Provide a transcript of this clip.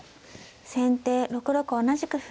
先手６六同じく歩。